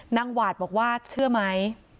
หวาดบอกว่าเชื่อไหม